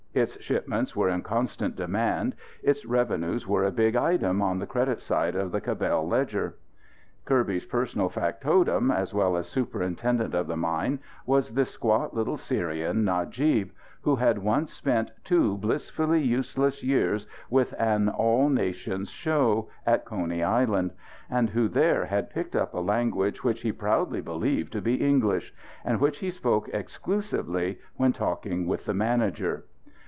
Its shipments were in constant demand. Its revenues were a big item on the credit side of the Cabell ledger. Kirby's personal factotum, as well as superintendent of the mine, was this squat little Syrian, Najib, who had once spent two blissfully useless years with an All Nations Show, at Coney Island; and who there had picked up a language which he proudly believed to be English; and which he spoke exclusively when talking with the manager.